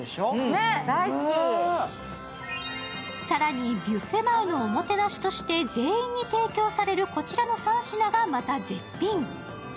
更にビュッフェ前のおもてなしとして全員に提供される、こちらの３品がまた絶品。